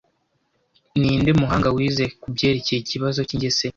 Ninde muhanga wize kubyerekeye ikibazo cy ingese